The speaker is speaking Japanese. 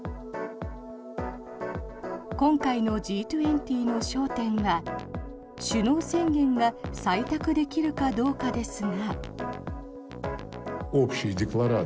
今回のＧ２０の焦点は首脳宣言が採択できるかどうかですが。